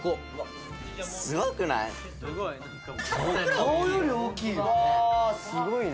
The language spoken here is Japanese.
顔より大きいよ。